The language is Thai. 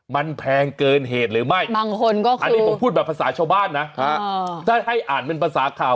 มันแพงเกินเหตุหรือไม่บางคนก็คืออันนี้ผมพูดแบบภาษาชาวบ้านนะถ้าให้อ่านเป็นภาษาข่าว